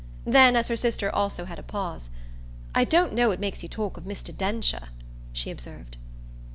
Then as her sister also had a pause, "I don't know what makes you talk of Mr. Densher," she observed.